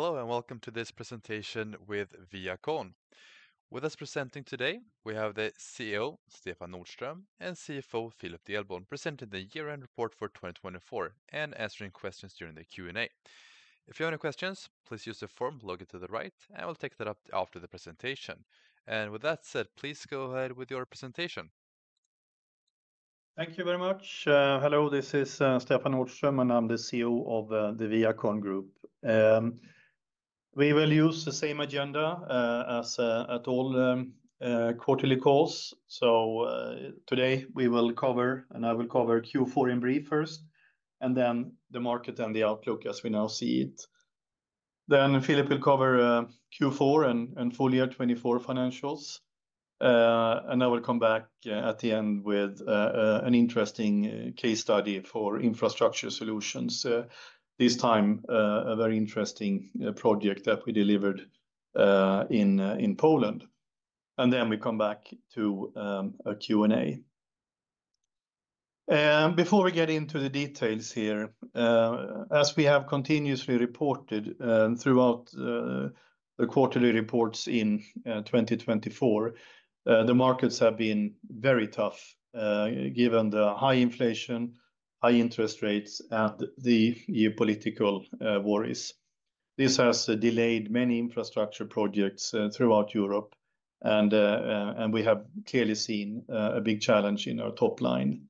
Hello, and welcome to this presentation with ViaCon. With us presenting today, we have the CEO, Stefan Nordström, and CFO, Philip Delborn, presenting the year-end report for 2024 and answering questions during the Q&A. If you have any questions, please use the form logged to the right, and we'll take that up after the presentation. With that said, please go ahead with your presentation. Thank you very much. Hello, this is Stefan Nordström, and I'm the CEO of the ViaCon Group. We will use the same agenda as at all quarterly calls. Today we will cover, and I will cover Q4 in brief first, and then the market and the outlook as we now see it. Philip will cover Q4 and full year 2024 financials. I will come back at the end with an interesting case study for infrastructure solutions. This time, a very interesting project that we delivered in Poland. We come back to a Q&A. Before we get into the details here, as we have continuously reported throughout the quarterly reports in 2024, the markets have been very tough given the high inflation, high interest rates, and the geopolitical worries. This has delayed many infrastructure projects throughout Europe, and we have clearly seen a big challenge in our top line.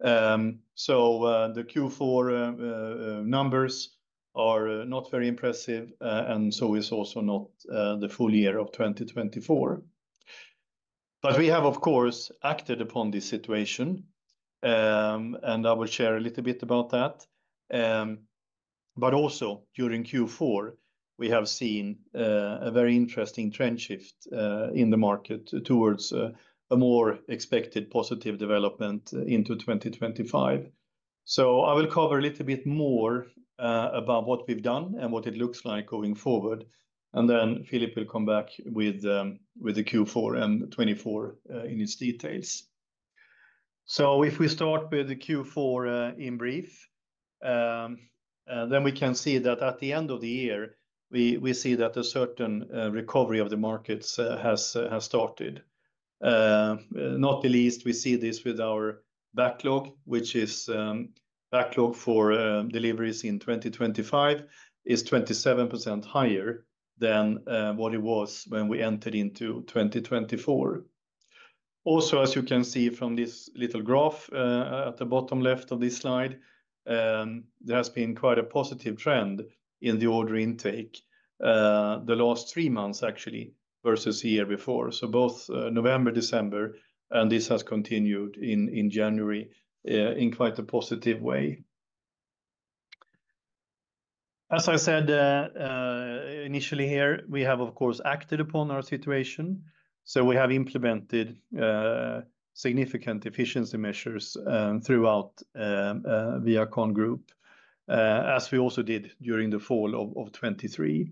The Q4 numbers are not very impressive, and so is also not the full year of 2024. We have, of course, acted upon this situation, and I will share a little bit about that. Also during Q4, we have seen a very interesting trend shift in the market towards a more expected positive development into 2025. I will cover a little bit more about what we've done and what it looks like going forward. Philip will come back with the Q4 and 2024 in its details. If we start with the Q4 in brief, then we can see that at the end of the year, we see that a certain recovery of the markets has started. Not the least, we see this with our backlog, which is backlog for deliveries in 2025, is 27% higher than what it was when we entered into 2024. Also, as you can see from this little graph at the bottom left of this slide, there has been quite a positive trend in the order intake the last three months, actually, versus the year before. Both November, December, and this has continued in January in quite a positive way. As I said initially here, we have, of course, acted upon our situation. We have implemented significant efficiency measures throughout ViaCon Group, as we also did during the fall of 2023.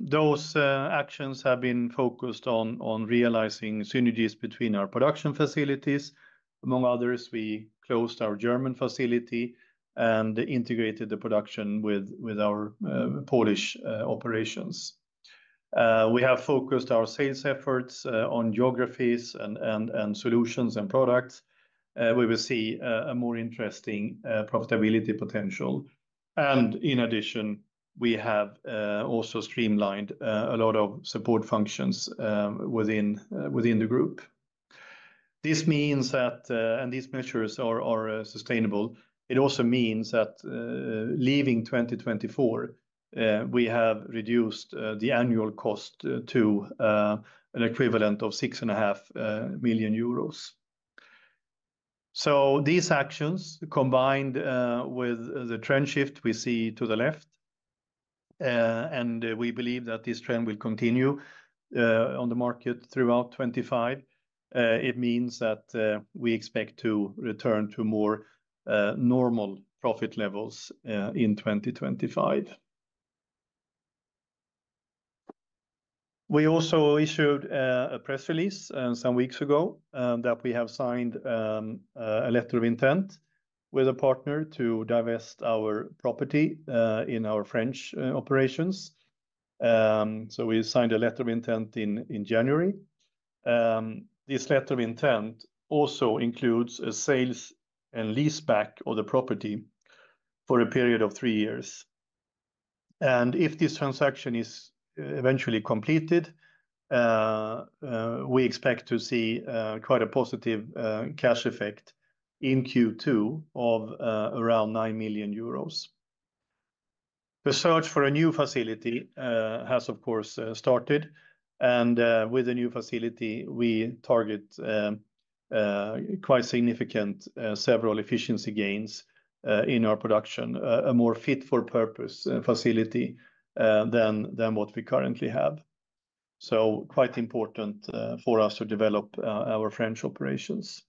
Those actions have been focused on realizing synergies between our production facilities. Among others, we closed our German facility and integrated the production with our Polish operations. We have focused our sales efforts on geographies and solutions and products. We will see a more interesting profitability potential. In addition, we have also streamlined a lot of support functions within the group. This means that, and these measures are sustainable. It also means that leaving 2024, we have reduced the annual cost to an equivalent of 6.5 million euros. These actions, combined with the trend shift we see to the left, and we believe that this trend will continue on the market throughout 2025, it means that we expect to return to more normal profit levels in 2025. We also issued a press release some weeks ago that we have signed a letter of intent with a partner to divest our property in our French operations. We signed a letter of intent in January. This letter of intent also includes a sales and lease back of the property for a period of three years. If this transaction is eventually completed, we expect to see quite a positive cash effect in Q2 of around 9 million euros. The search for a new facility has, of course, started. With a new facility, we target quite significant several efficiency gains in our production, a more fit-for-purpose facility than what we currently have. It is quite important for us to develop our French operations.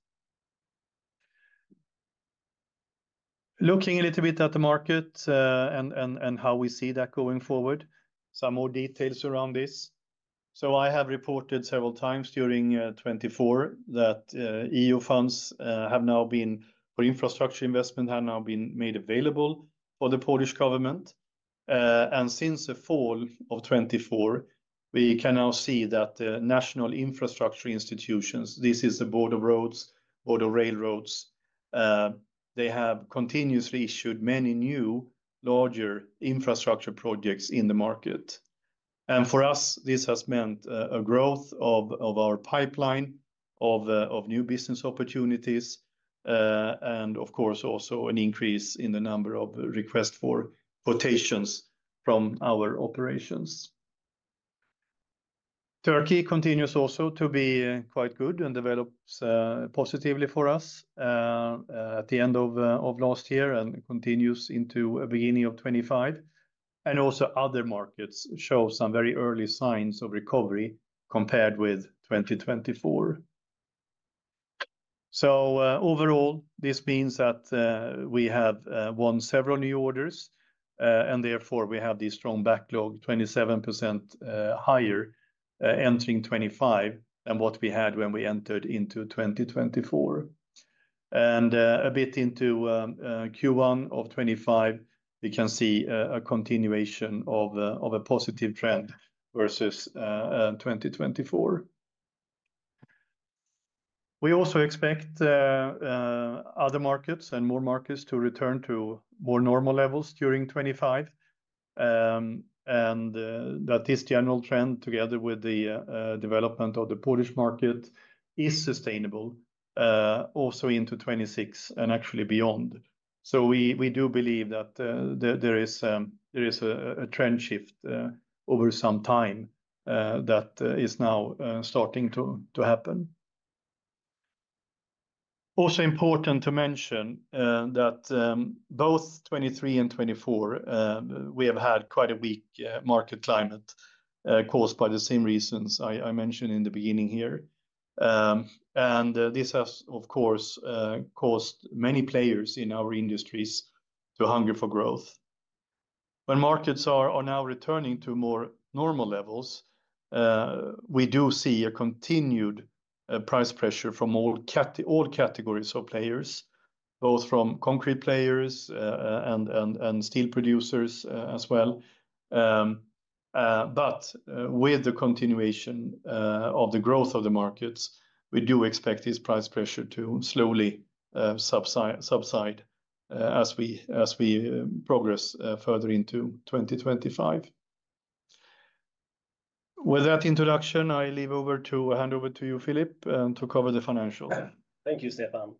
Looking a little bit at the market and how we see that going forward, some more details around this. I have reported several times during 2024 that EU funds for infrastructure investment have now been made available for the Polish government. Since the fall of 2024, we can now see that the national infrastructure institutions, this is the Board of Roads, Board of Railroads, have continuously issued many new larger infrastructure projects in the market. For us, this has meant a growth of our pipeline of new business opportunities and, of course, also an increase in the number of requests for quotations from our operations. Turkey continues also to be quite good and develops positively for us at the end of last year and continues into the beginning of 2025. Also, other markets show some very early signs of recovery compared with 2024. Overall, this means that we have won several new orders and therefore we have this strong backlog, 27% higher entering 2025 than what we had when we entered into 2024. A bit into Q1 of 2025, we can see a continuation of a positive trend versus 2024. We also expect other markets and more markets to return to more normal levels during 2025. That this general trend, together with the development of the Polish market, is sustainable also into 2026 and actually beyond. We do believe that there is a trend shift over some time that is now starting to happen. Also important to mention that both 2023 and 2024, we have had quite a weak market climate caused by the same reasons I mentioned in the beginning here. This has, of course, caused many players in our industries to hunger for growth. When markets are now returning to more normal levels, we do see a continued price pressure from all categories of players, both from concrete players and steel producers as well. With the continuation of the growth of the markets, we do expect this price pressure to slowly subside as we progress further into 2025. With that introduction, I leave over to hand over to you, Philip, to cover the financials. Thank you, Stefan.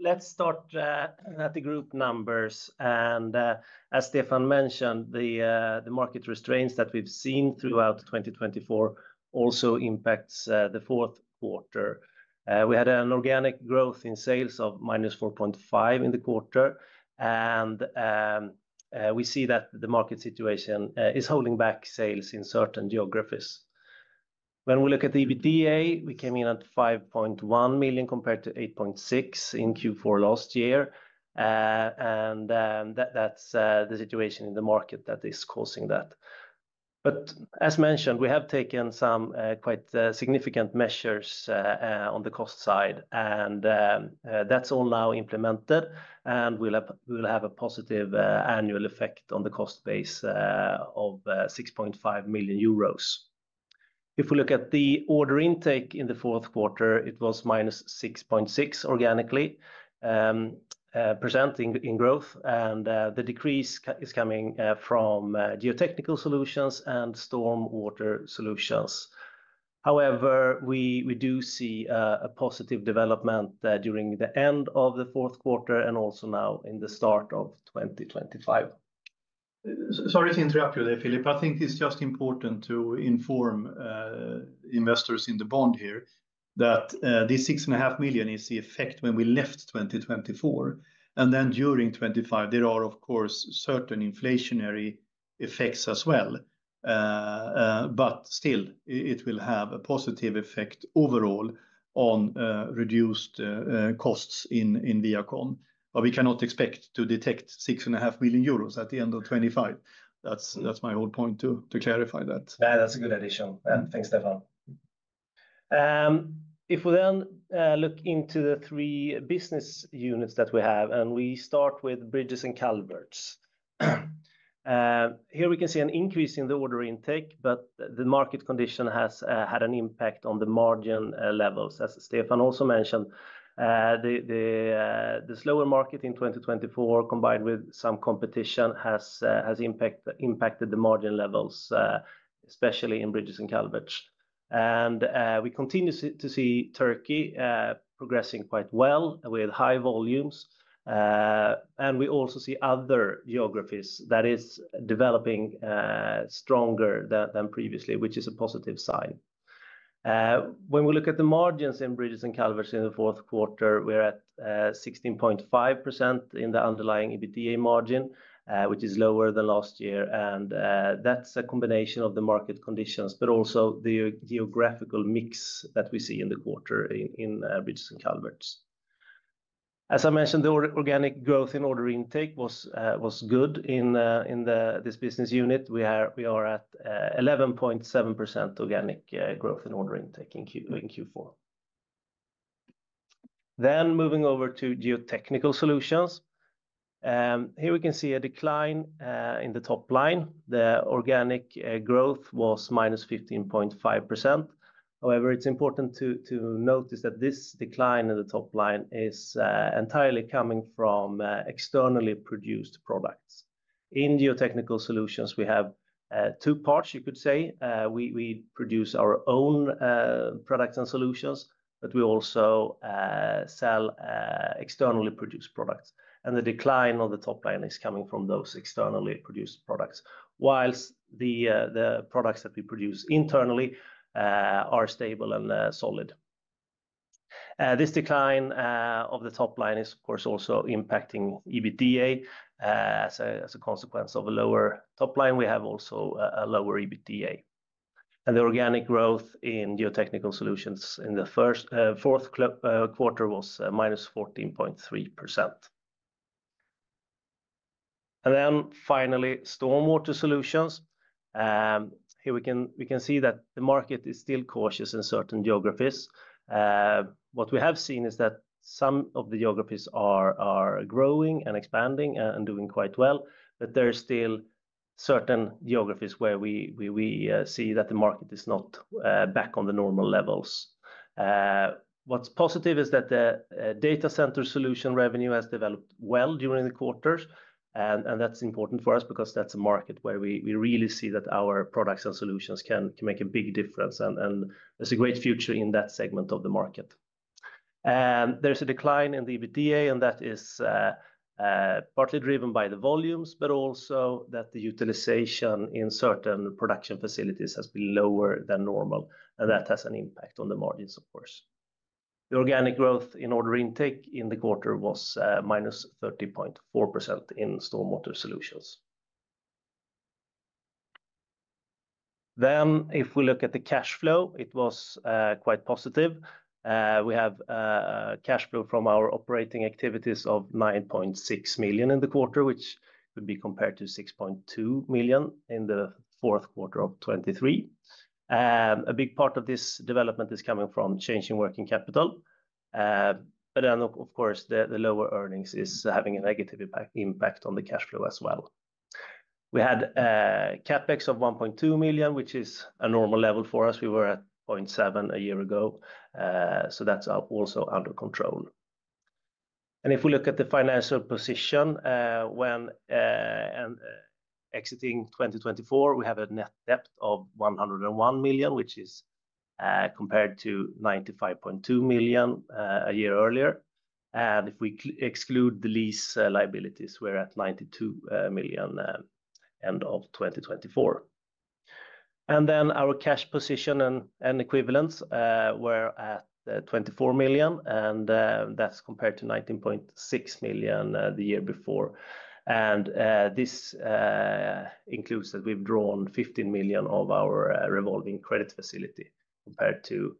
Let's start at the group numbers. As Stefan mentioned, the market restraints that we've seen throughout 2024 also impact the fourth quarter. We had an organic growth in sales of -4.5% in the quarter. We see that the market situation is holding back sales in certain geographies. When we look at EBITDA, we came in at 5.1 million compared to 8.6 million in Q4 last year. That is the situation in the market that is causing that. As mentioned, we have taken some quite significant measures on the cost side. That is all now implemented and will have a positive annual effect on the cost base of 6.5 million euros. If we look at the order intake in the fourth quarter, it was -6.6% organically presenting in growth. The decrease is coming from geotechnical solutions and stormwater solutions. However, we do see a positive development during the end of the fourth quarter and also now in the start of 2024. Sorry to interrupt you there, Philip. I think it's just important to inform investors in the bond here that this 6.5 million is the effect when we left 2024. During 2025, there are, of course, certain inflationary effects as well. It will have a positive effect overall on reduced costs in ViaCon. We cannot expect to detect 6.5 million euros at the end of 2025. That's my whole point to clarify that. That's a good addition. Thanks, Stefan. If we then look into the three business units that we have, and we start with bridges and culverts. Here we can see an increase in the order intake, but the market condition has had an impact on the margin levels. As Stefan also mentioned, the slower market in 2024, combined with some competition, has impacted the margin levels, especially in bridges and culverts. We continue to see Turkey progressing quite well with high volumes. We also see other geographies that are developing stronger than previously, which is a positive sign. When we look at the margins in bridges and culverts in the fourth quarter, we're at 16.5% in the underlying EBITDA margin, which is lower than last year. That's a combination of the market conditions, but also the geographical mix that we see in the quarter in bridges and culverts. As I mentioned, the organic growth in order intake was good in this business unit. We are at 11.7% organic growth in order intake in Q4. Moving over to geotechnical solutions. Here we can see a decline in the top line. The organic growth was -15.5%. However, it's important to notice that this decline in the top line is entirely coming from externally produced products. In geotechnical solutions, we have two parts, you could say. We produce our own products and solutions, but we also sell externally produced products. The decline on the top line is coming from those externally produced products, whilst the products that we produce internally are stable and solid. This decline of the top line is, of course, also impacting EBITDA. As a consequence of a lower top line, we have also a lower EBITDA. The organic growth in geotechnical solutions in the fourth quarter was -14.3%. Finally, stormwater solutions. Here we can see that the market is still cautious in certain geographies. What we have seen is that some of the geographies are growing and expanding and doing quite well. There are still certain geographies where we see that the market is not back on the normal levels. What's positive is that the data center solution revenue has developed well during the quarters. That is important for us because that is a market where we really see that our products and solutions can make a big difference. There is a great future in that segment of the market. There is a decline in the EBITDA, and that is partly driven by the volumes, but also that the utilization in certain production facilities has been lower than normal. That has an impact on the margins, of course. The organic growth in order intake in the quarter was -30.4% in stormwater solutions. If we look at the cash flow, it was quite positive. We have cash flow from our operating activities of 9.6 million in the quarter, which would be compared to 6.2 million in the fourth quarter of 2023. A big part of this development is coming from changing working capital. Of course, the lower earnings is having a negative impact on the cash flow as well. We had CapEx of 1.2 million, which is a normal level for us. We were at 0.7 million a year ago. That is also under control. If we look at the financial position, when exiting 2024, we have a net debt of 101 million, which is compared to 95.2 million a year earlier. If we exclude the lease liabilities, we're at 92 million end of 2024. Our cash position and equivalents were at 24 million. That's compared to 19.6 million the year before. This includes that we've drawn 15 million of our revolving credit facility compared to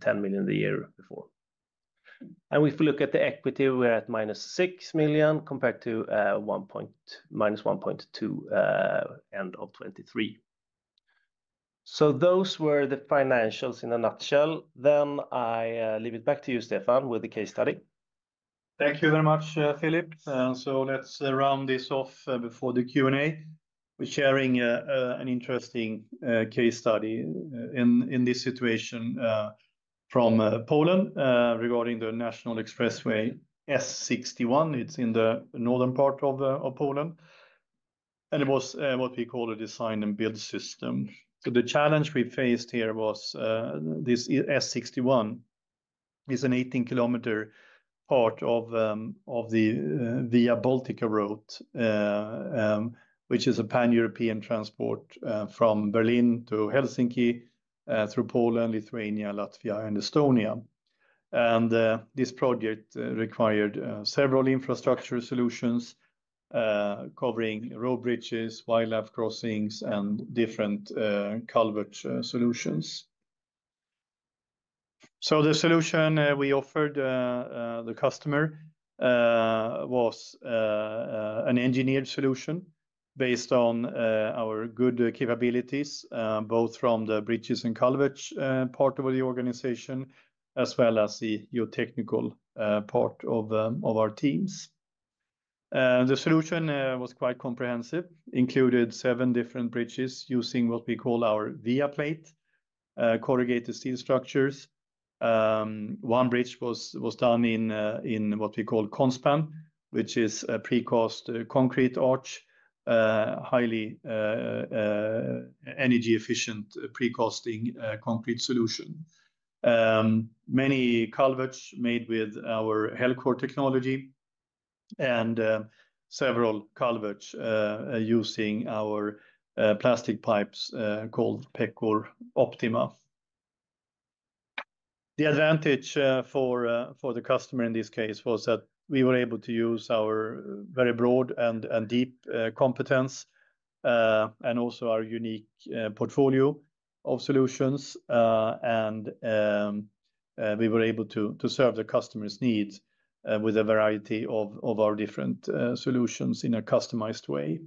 10 million the year before. If we look at the equity, we're at -6 million compared to -1.2 million end of 2023. Those were the financials in a nutshell. I leave it back to you, Stefan, with the case study. Thank you very much, Philip. Let's round this off before the Q&A. We're sharing an interesting case study in this situation from Poland regarding the National Expressway S61. It's in the northern part of Poland. It was what we call a design and build system. The challenge we faced here was this S61 is an 18 km part of the Via Baltica route, which is a pan-European transport from Berlin to Helsinki through Poland, Lithuania, Latvia, and Estonia. This project required several infrastructure solutions covering road bridges, wildlife crossings, and different culvert solutions. The solution we offered the customer was an engineered solution based on our good capabilities, both from the bridges and culvert part of the organization as well as the geotechnical part of our teams. The solution was quite comprehensive, included seven different bridges using what we call our ViaPlate, corrugated steel structures. One bridge was done in what we call Conspan, which is a pre-cast concrete arch, highly energy-efficient pre-cast concrete solution. Many culverts made with our HelCor technology and several culverts using our plastic pipes called Pecor Optima. The advantage for the customer in this case was that we were able to use our very broad and deep competence and also our unique portfolio of solutions. We were able to serve the customer's needs with a variety of our different solutions in a customized way.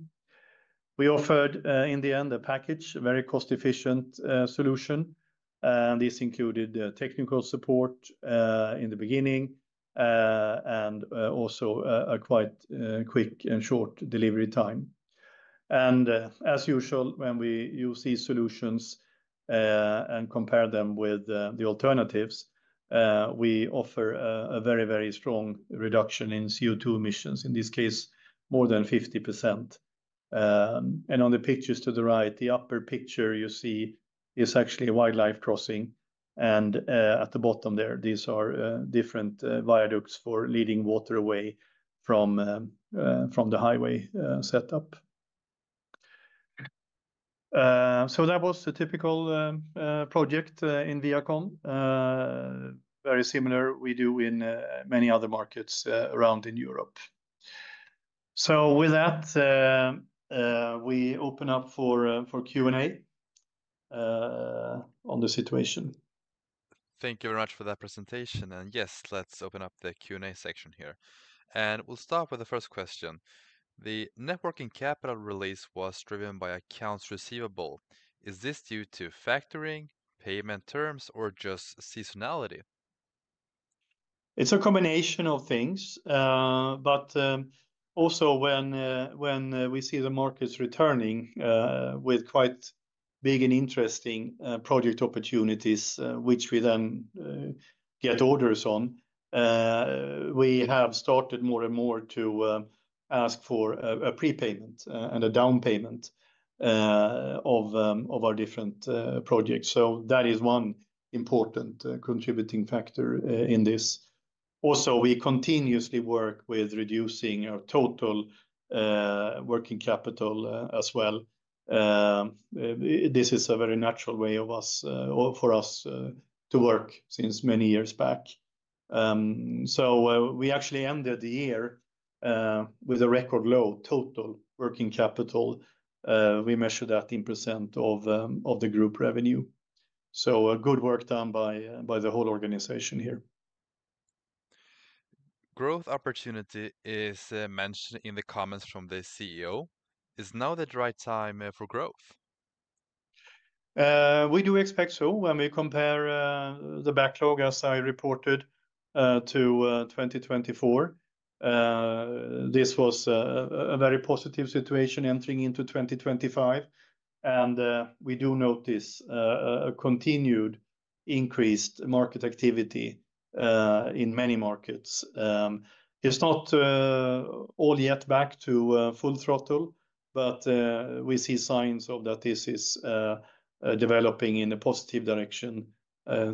We offered in the end a package, a very cost-efficient solution. This included technical support in the beginning and also a quite quick and short delivery time. As usual, when we use these solutions and compare them with the alternatives, we offer a very, very strong reduction in CO2 emissions, in this case, more than 50%. On the pictures to the right, the upper picture you see is actually a wildlife crossing. At the bottom there, these are different viaducts for leading water away from the highway setup. That was the typical project in ViaCon, very similar to what we do in many other markets around in Europe. With that, we open up for Q&A on the situation. Thank you very much for that presentation. Yes, let's open up the Q&A section here. We'll start with the first question. The working capital release was driven by accounts receivable. Is this due to factoring, payment terms, or just seasonality? It's a combination of things. Also, when we see the markets returning with quite big and interesting project opportunities, which we then get orders on, we have started more and more to ask for a prepayment and a down payment of our different projects. That is one important contributing factor in this. Also, we continuously work with reducing our total working capital as well. This is a very natural way for us to work since many years back. We actually ended the year with a record low total working capital. We measure that in percent of the group revenue. Good work done by the whole organization here. Growth opportunity is mentioned in the comments from the CEO. Is now the right time for growth? We do expect so when we compare the backlog, as I reported, to 2024. This was a very positive situation entering into 2025. We do notice a continued increased market activity in many markets. It's not all yet back to full throttle, but we see signs of that this is developing in a positive direction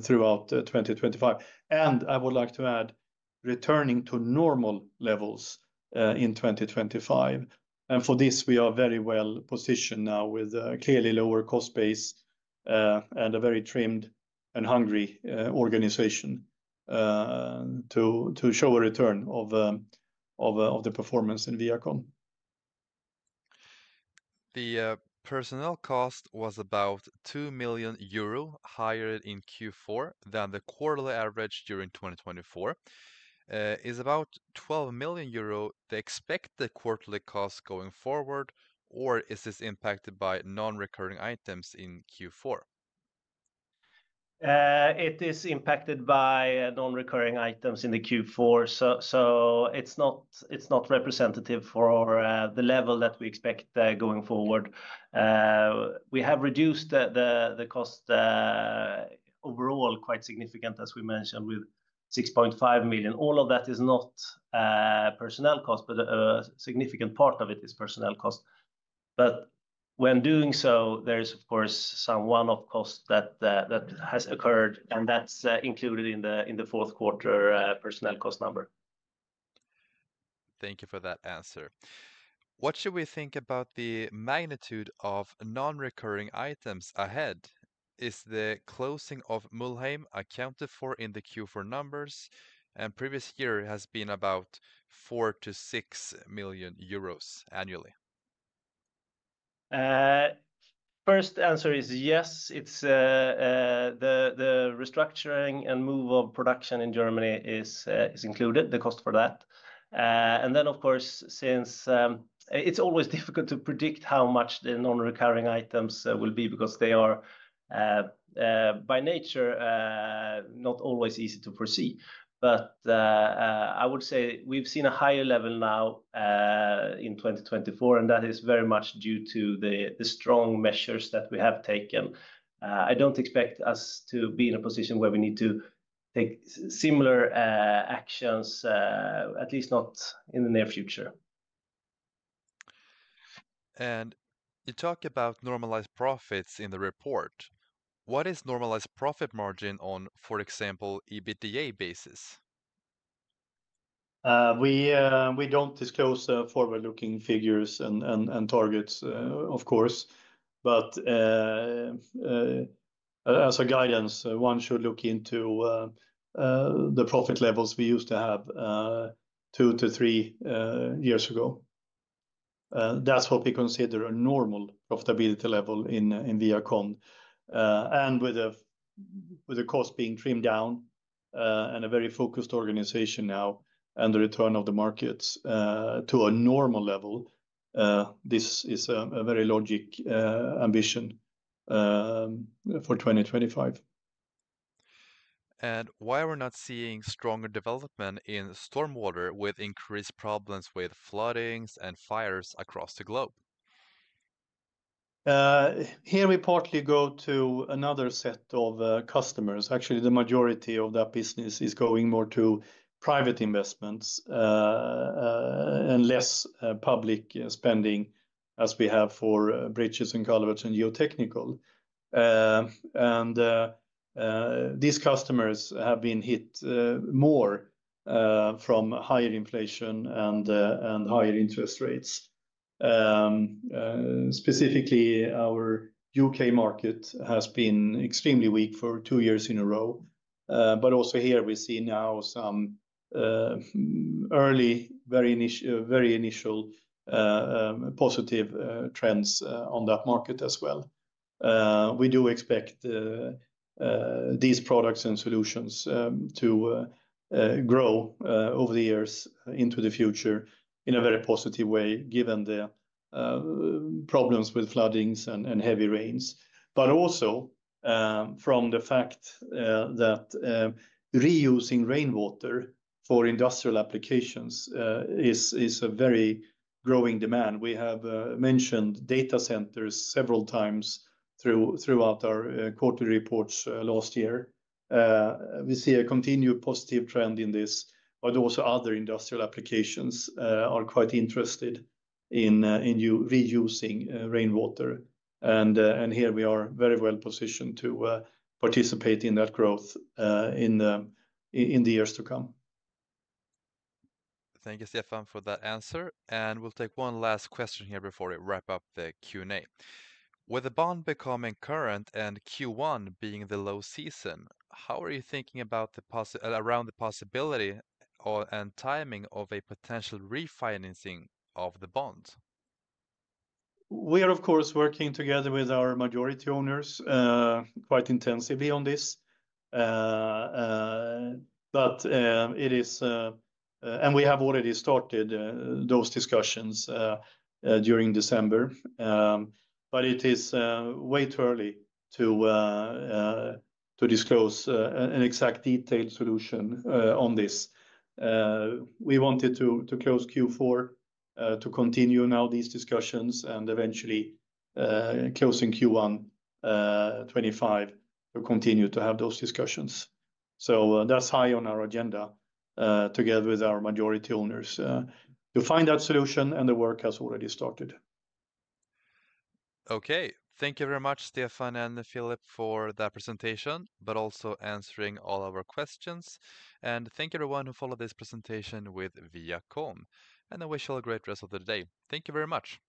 throughout 2025. I would like to add returning to normal levels in 2025. For this, we are very well positioned now with a clearly lower cost base and a very trimmed and hungry organization to show a return of the performance in ViaCon. The personnel cost was about 2 million euro higher in Q4 than the quarterly average during 2024. Is about 12 million euro the expected quarterly cost going forward, or is this impacted by non-recurring items in Q4? It is impacted by non-recurring items in the Q4. It is not representative for the level that we expect going forward. We have reduced the cost overall quite significantly, as we mentioned, with 6.5 million. All of that is not personnel cost, but a significant part of it is personnel cost. When doing so, there is, of course, some one-off cost that has occurred, and that is included in the fourth quarter personnel cost number. Thank you for that answer. What should we think about the magnitude of non-recurring items ahead? Is the closing of Mülheim accounted for in the Q4 numbers? Previous year has been about 4 million-6 million euros annually. First answer is yes. The restructuring and move of production in Germany is included, the cost for that. Of course, since it's always difficult to predict how much the non-recurring items will be because they are, by nature, not always easy to foresee. I would say we've seen a higher level now in 2024, and that is very much due to the strong measures that we have taken. I don't expect us to be in a position where we need to take similar actions, at least not in the near future. You talk about normalized profits in the report. What is normalized profit margin on, for example, EBITDA basis? We do not disclose forward-looking figures and targets, of course. As a guidance, one should look into the profit levels we used to have two to three years ago. That is what we consider a normal profitability level in ViaCon. With the cost being trimmed down and a very focused organization now and the return of the markets to a normal level, this is a very logic ambition for 2025. Why are we not seeing stronger development in stormwater with increased problems with floodings and fires across the globe? Here we partly go to another set of customers. Actually, the majority of that business is going more to private investments and less public spending as we have for bridges and culverts and geotechnical. These customers have been hit more from higher inflation and higher interest rates. Specifically, our U.K. market has been extremely weak for two years in a row. Also here, we see now some early, very initial positive trends on that market as well. We do expect these products and solutions to grow over the years into the future in a very positive way, given the problems with floodings and heavy rains. Also from the fact that reusing rainwater for industrial applications is a very growing demand. We have mentioned data centers several times throughout our quarterly reports last year. We see a continued positive trend in this, but also other industrial applications are quite interested in reusing rainwater. Here we are very well positioned to participate in that growth in the years to come. Thank you, Stefan, for that answer. We will take one last question here before we wrap up the Q&A. With the bond becoming current and Q1 being the low season, how are you thinking about the possibility and timing of a potential refinancing of the bond? We are, of course, working together with our majority owners quite intensively on this. It is, and we have already started those discussions during December. It is way too early to disclose an exact detailed solution on this. We wanted to close Q4, to continue now these discussions, and eventually closing Q1 2025 to continue to have those discussions. That is high on our agenda together with our majority owners. To find that solution, and the work has already started. Okay. Thank you very much, Stefan and Philip, for that presentation, but also answering all our questions. Thank everyone who followed this presentation with ViaCon. I wish you all a great rest of the day. Thank you very much.